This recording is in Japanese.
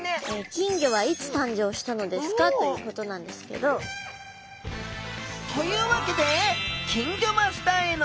「金魚はいつ誕生したのですか？」ということなんですけど。というわけで金魚マスターへの道。